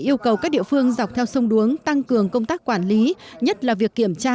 yêu cầu các địa phương dọc theo sông đuống tăng cường công tác quản lý nhất là việc kiểm tra